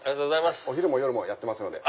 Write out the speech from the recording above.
お昼も夜もやってますので。